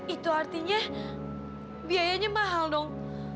itu artinya biayanya mahal dong